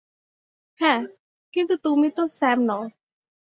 হ্যাঁ, কিন্তু তুমি তো স্যাম নও।